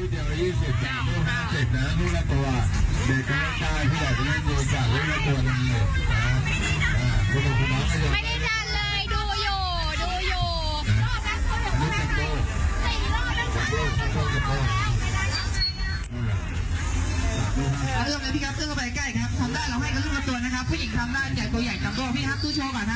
แล้วเริ่มเลยพี่ครับเลือกเข้าไปใกล้อีกครับ